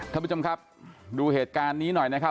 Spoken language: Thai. ท่านผู้ชมครับดูเหตุการณ์นี้หน่อยนะครับ